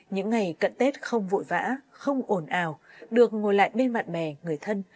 những ngày cận tết không vội vã không ổn ào được ngồi lại bên mặt mẹ người thân